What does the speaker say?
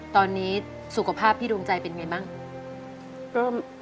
ตอนนี้สุขภาพพี่ดวงใจเป็นไงบ้าง